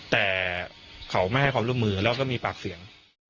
แต่เขาไม่ให้ความร่วมมือแล้วก็มีปากเสียง